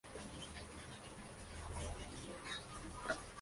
Cuenta con un puesto de la Guardia Civil en la calle San Antonio.